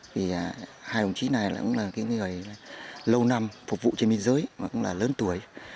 thì hai đồng chí này cũng là cái người lâu năm phục vụ trên biên giới mà cũng là lớn tuổi